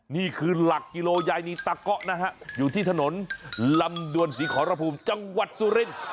นี่คือหลักกิโลยายนีตาเกาะนะฮะอยู่ที่ถนนลำดวนศรีขอรภูมิจังหวัดสุรินทร์